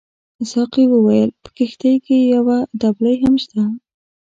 ساقي وویل په کښتۍ کې یو دبلۍ هم شته.